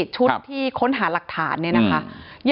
ชุดที่ค้นหาหลักฐานเนี่ยนะคะ